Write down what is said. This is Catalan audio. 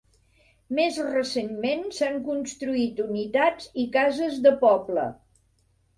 Més recentment s'han construït unitats i cases de poble.